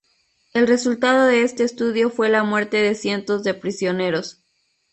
El resultado de este estudio fue la muerte de cientos de prisioneros.